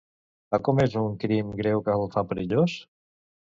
Ha comès un crim greu que el fa perillós?